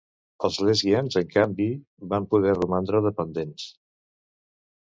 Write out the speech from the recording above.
Els lesguians, en canvi, van poder romandre dependents.